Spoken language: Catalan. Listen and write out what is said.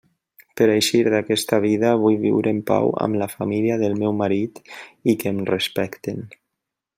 Per a eixir d'aquesta vida vull viure en pau amb la família del meu marit i que em respecten.